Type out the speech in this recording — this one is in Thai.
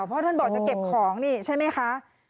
เพราะท่านบอกจะเก็บของนี่ใช่ไหมคะ